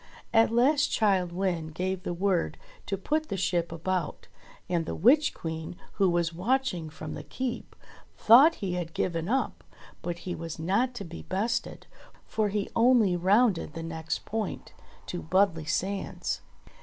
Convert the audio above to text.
At last Childe Wynde gave the word to put the ship about, and the Witch Queen, who was watching from the Keep, thought he had given up : but he was not to be bested : for he only rounded the next point to Budley sands.